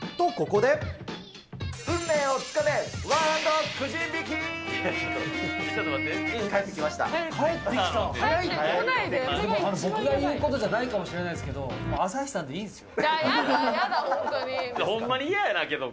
これが一番僕が言うことじゃないかもしれないですけど、朝日さんでいいですよ。